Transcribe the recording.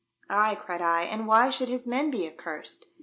"Ay," cried I, "and why should his men be accursed